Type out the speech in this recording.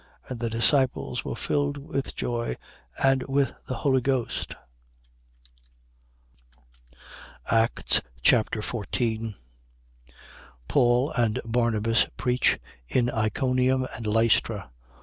13:52. And the disciples were filled with joy and with the Holy Ghost. Acts Chapter 14 Paul and Barnabas preach in Iconium and Lystra.